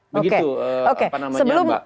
begitu apa namanya mbak